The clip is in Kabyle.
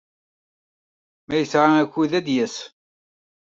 Ma yesɛa akud, ad d-yas.